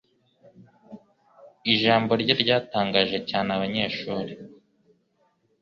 Ijambo rye ryatangaje cyane abanyeshuri.